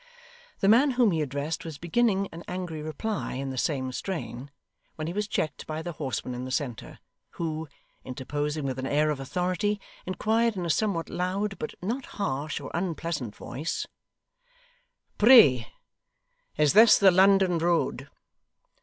The man whom he addressed was beginning an angry reply in the same strain, when he was checked by the horseman in the centre, who, interposing with an air of authority, inquired in a somewhat loud but not harsh or unpleasant voice: 'Pray, is this the London road?